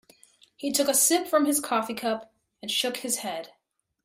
He took a sip from his coffee cup and shook his head.